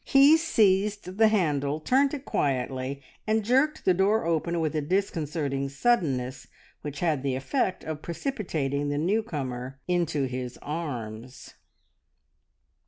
He seized the handle, turned it quietly, and jerked the door open with a disconcerting suddenness which had the effect of precipitating the new comer into his arms.